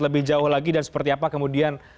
lebih jauh lagi dan seperti apa kemudian